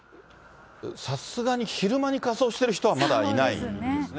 さすがに昼間に仮装してる人はまだいないですね。